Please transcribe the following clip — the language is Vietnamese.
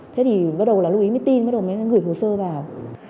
thế thì bắt đầu là lưu ý mới tin bắt đầu mới gửi hồ sơ vào